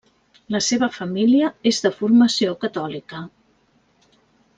La seva família és de formació catòlica.